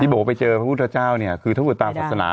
ที่บอกไปเจอพระพุทธเจ้าคือถ้าเกิดตามศาสนา